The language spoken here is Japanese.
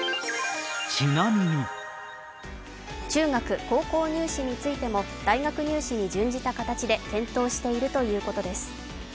中学・高校入試についても大学入試に準じた形で検討しているということです。